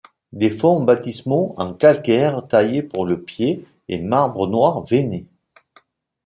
Des fonts baptismaux en calcaire taillé pour le pied et marbre noir veiné.